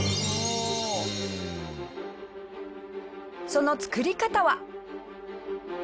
その作り方は。